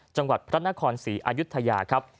จังหวัดพระนครศรีอายุทยาครับ